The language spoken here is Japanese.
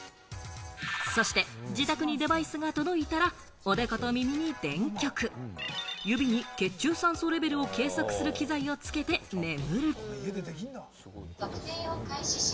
そして、自宅にデバイスが届いたら、おでこと耳に電極、指に血中酸素レベルを計測する機材をつけて眠る。